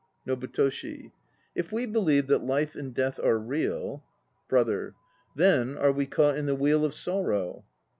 NOBUTOSHI. If we believe that life and death are real ... BROTHER. Then are we caught in the wheel of sorrow.